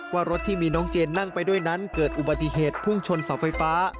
ว่ารถที่มีน้องเจนนั่งไปด้วยนั้นเกิดอุบัติเหตุพุ่งชนเสาไฟฟ้า